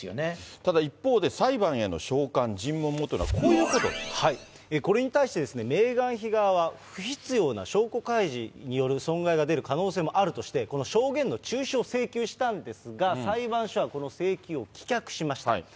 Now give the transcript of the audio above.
ただ一方で、裁判への召喚、これに対して、メーガン妃側は不必要な証拠開示による損害が出る可能性もあるとして、この証言の中止を請求したんですが、裁判所はこの請求を棄却しました。